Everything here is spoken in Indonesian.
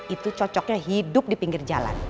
itu cocoknya hidup di pinggir jalan